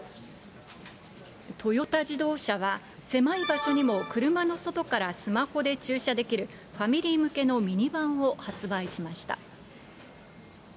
トヨタ自動車は狭い場所にも車の外からスマホで駐車できる、ファミリー向けのミニバンを発売しました。